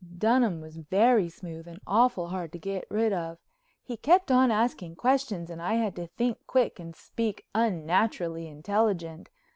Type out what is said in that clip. Dunham was very smooth and awful hard to get rid of. He kept on asking questions and I had to think quick and speak unnaturally intelligent.